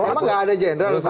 emang gak ada jenderal